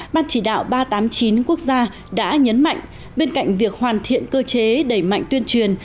ban chỉ đạo ba trăm tám mươi chín quốc gia đã nhấn mạnh bên cạnh việc hoàn thiện cơ chế đẩy mạnh tuyên truyền